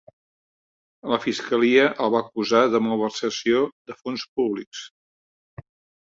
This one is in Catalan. La Fiscalia el va acusar de malversació de fons públics.